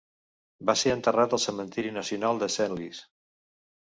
Va ser enterrat al cementiri nacional de Senlis.